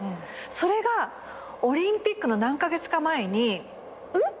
それがオリンピックの何カ月か前にん？